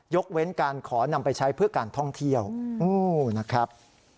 เว้นการขอนำไปใช้เพื่อการท่องเที่ยวนะครับ